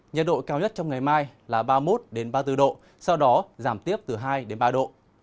nhiệt độ cao nhất trong ngày mai là ba mươi một ba mươi bốn độ sau đó giảm tiếp từ hai đến ba độ